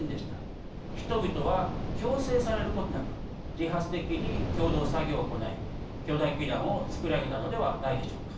人々は強制されることなく自発的に共同作業を行い巨大基壇を造り上げたのではないでしょうか。